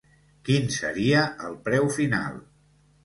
Quin seria el preu final?